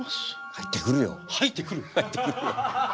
入ってくるよ。